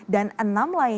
dan enam lainnya ke kanan